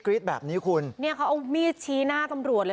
แบบนี้คุณเนี่ยเขาเอามีดชี้หน้าตำรวจเลย